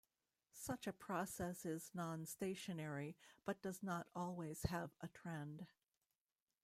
Such a process is non-stationary but does not always have a trend.